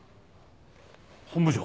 本部長！